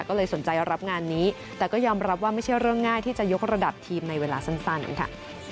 ก็เลยสนใจรับงานนี้แต่ก็ยอมรับว่าไม่ใช่เรื่องง่ายที่จะยกระดับทีมในเวลาสั้นค่ะ